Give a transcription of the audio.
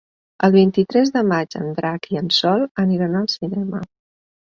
El vint-i-tres de maig en Drac i en Sol aniran al cinema.